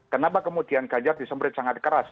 kenapa kemudian ganjar disembrit sangat keras